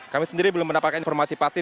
kami sendiri belum mendapatkan informasi pasti